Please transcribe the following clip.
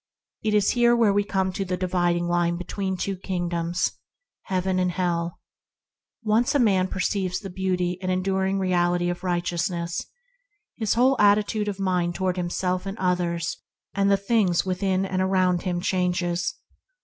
It is here where we come to the dividing line between the two Kingdoms: hell and Heaven. Once a man perceives the beauty and enduring reality of righteousness, his whole attitude of mind toward himself and others and the things within and around him changes.